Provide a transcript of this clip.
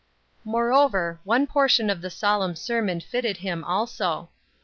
Moreover, one portion of the solemn sermon fitted him, also.